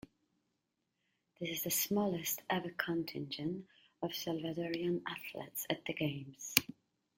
This is the smallest-ever contingent of Salvadorian athletes at the Games.